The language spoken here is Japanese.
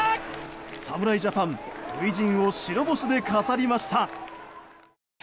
侍ジャパン初陣を白星で飾りました。